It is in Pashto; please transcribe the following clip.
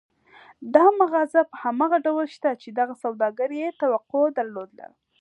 دا مغازه په هماغه ډول شته چې دغه سوداګر يې توقع درلوده.